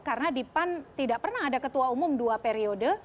karena di pan tidak pernah ada ketua umum dua periode